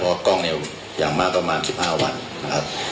เพราะว่ากล้องเนี่ยอย่างมากต่อมา๑๕วันครับ